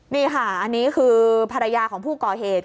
นี่ค่ะอันนี้คือภรรยาของผู้ก่อเหตุ